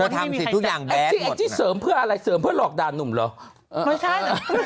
ทุกอย่างแบบที่เสริมเพื่ออะไรเสริมเพื่อหลอกด่านหนุ่มเหรอ